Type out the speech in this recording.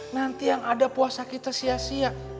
nanti yang ada puasa kita sia sia